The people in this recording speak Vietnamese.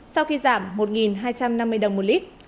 sau khi giảm một hai trăm năm mươi đồng một lít